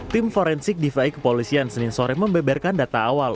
tim forensik dvi kepolisian senin sore membeberkan data awal